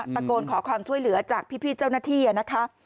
ตะโกนขอความช่วยเหลือจากพี่เจ้าหน้าที่นะคะ